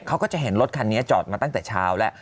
เขาก็จะเห็นรถคันนี้จอดมาตั้งแต่เช้าแล้ว